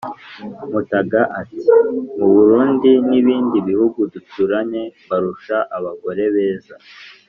mutaga ati: «mu burundi n'ibindi bihugu duturanye mbarusha abagore beza».